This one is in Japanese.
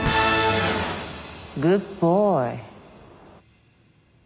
グッドボーイ。